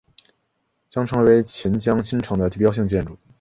将成为钱江新城的地标性建筑。